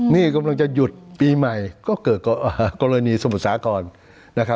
นี่กำลังจะหยุดปีใหม่ก็เกิดกรณีสมุทรสากร